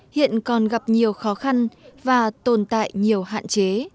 hiện còn gặp nhiều khó khăn và tồn tại nhiều hạn chế